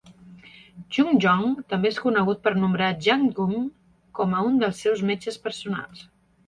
Jungjong també és conegut per nombrar Jang Geum com a un dels seus metges personals.